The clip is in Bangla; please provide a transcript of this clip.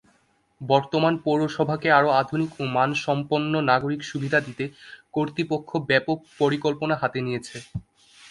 বর্তমান পৌরসভাকে আরো আধুনিক ও মানসম্পন্ন নাগরিক সুবিধা দিতে কর্তৃপক্ষ ব্যাপক পরিকল্পনা হাতে নিয়েছে।